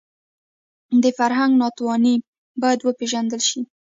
د فرهنګ ناتواني باید وپېژندل شي